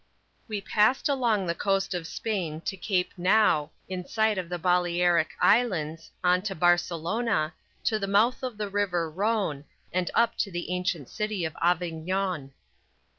We passed along the coast of Spain to Cape Nao, in sight of the Balearic Islands, on to Barcelona, to the mouth of the river Rhone, and up to the ancient city of Avignon.